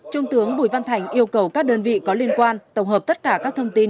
trung tướng bùi văn thành yêu cầu các đơn vị có liên quan tổng hợp tất cả các thông tin